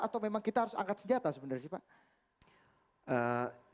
atau memang kita harus angkat senjata sebenarnya sih pak